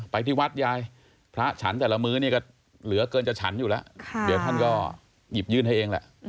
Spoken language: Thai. ที่วัดยายพระฉันแต่ละมื้อนี่ก็เหลือเกินจะฉันอยู่แล้วเดี๋ยวท่านก็หยิบยื่นให้เองแหละ